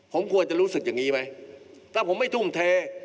ผมควรจะรู้สึกอย่างนี้ไหมถ้าผมไม่ทุ่มเท